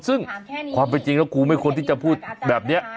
ซึ่งความเป็นจริงแล้วครูไม่ควรที่จะพูดแบบนี้